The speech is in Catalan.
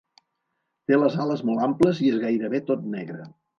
Té les ales molt amples i és gairebé tot negre.